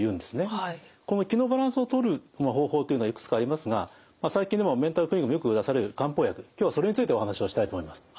この「気」のバランスをとる方法というのはいくつかありますが最近ではメンタルクリニックでもよく出される漢方薬今日はそれについてお話をしたいと思います。